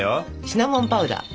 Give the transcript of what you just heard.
シナモンパウダー。